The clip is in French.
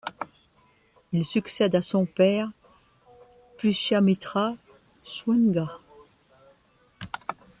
Il succède à son père, Pushyamitra Shunga.